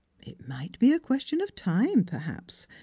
It might be a question of time, perhaps.